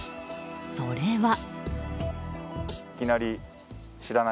それは。